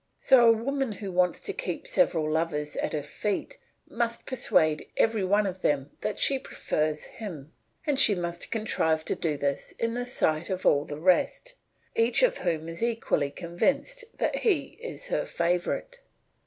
So a woman who wants to keep several lovers at her feet must persuade every one of them that she prefers him, and she must contrive to do this in the sight of all the rest, each of whom is equally convinced that he is her favourite.